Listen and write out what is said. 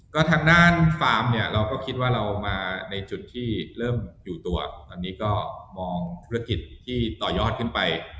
ก็ทางด้านฟาร์มเนี่ยเราก็คิดว่าเรามาในจุดที่เริ่มอยู่ตัวอันนี้ก็มองธุรกิจที่ต่อยอดขึ้นไป